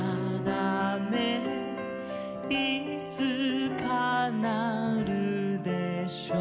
「いつかなるでしょう」